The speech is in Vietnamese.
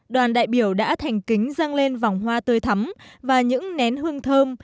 đoàn đại biểu đã thành kính dăng lên vòng hoa tơi thắm và những nén hương thơm